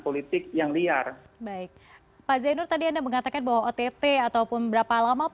untuk mencegah terjadinya korupsi karena tuntutan penelitian